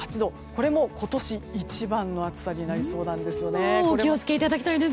これも今年一番の暑さになりそうなんです。